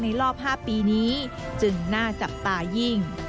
รอบ๕ปีนี้จึงน่าจับตายิ่ง